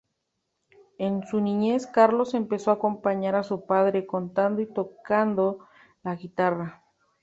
En su niñez Carlos empezó acompañar a su padre cantando y tocando la guitarra.